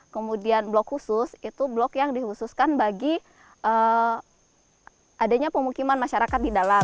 kemudian blok khusus itu blok yang dihususkan bagi adanya pemukiman masyarakat di dalam